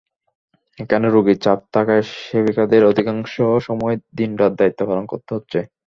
এখানে রোগীর চাপ থাকায় সেবিকাদের অধিকাংশ সময় দিন-রাত দায়িত্ব পালন করতে হচ্ছে।